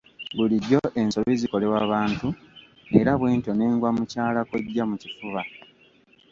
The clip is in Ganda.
Bulijjo ensobi zikolebwa bantu era bwentyo ne ngwa mukyala kkojja mu kifuba.